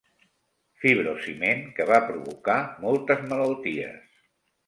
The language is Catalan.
Fibrociment que va provocar moltes malalties.